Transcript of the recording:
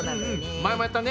前もやったね。